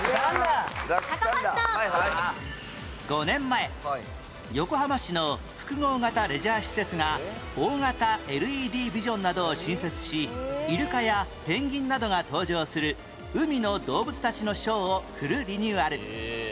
５年前横浜市の複合型レジャー施設が大型 ＬＥＤ ビジョンなどを新設しイルカやペンギンなどが登場する海の動物たちのショーをフルリニューアル